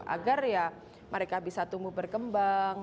agar ya mereka bisa tumbuh berkembang